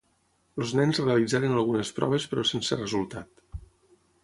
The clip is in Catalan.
Els Nens realitzaren algunes proves però sense resultat.